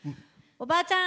おばあちゃん